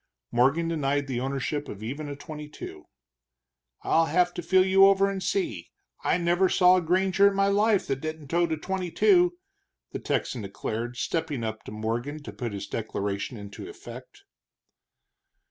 Morgan denied the ownership of even a twenty two. "I'll have to feel over you and see I never saw a granger in my life that didn't tote a twenty two," the Texan declared, stepping up to Morgan to put his declaration into effect.